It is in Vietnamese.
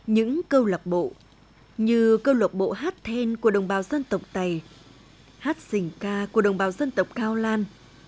những câu lạc bộ như câu lộc bộ hát then của đồng bào dân tộc tày hát xình ca của đồng bào dân tộc cao lan